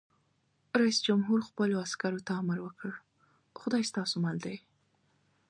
رئیس جمهور خپلو عسکرو ته امر وکړ؛ خدای ستاسو مل دی!